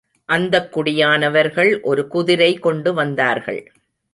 அந்தக் குடியானவர்கள் ஒரு குதிரை கொண்டு வந்தார்கள்.